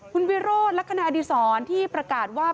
คุณวิโรธและคณาดิสรที่ประกาศว่า